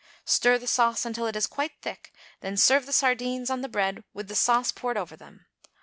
Stir the sauce until it is quite thick, then serve the sardines on the bread with the sauce poured over them.